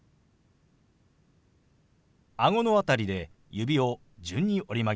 顎の辺りで指を順に折り曲げます。